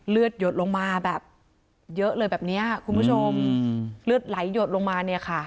หยดลงมาแบบเยอะเลยแบบเนี้ยคุณผู้ชมเลือดไหลหยดลงมาเนี่ยค่ะ